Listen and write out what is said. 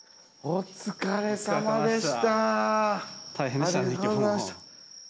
お疲れさまでした。